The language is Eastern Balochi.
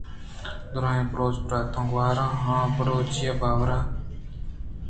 دْراہ بلوچ براتاں ءُ گوھاراں را بلوچی ءِ بارو ءَ